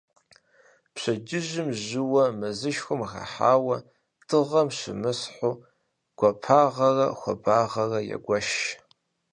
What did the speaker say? Пщэдджыжьым жьыуэ мэзышхуэм хыхьауэ дыгъэм щымысхьыжу гуапагъэрэ хуабагъэрэ егуэш.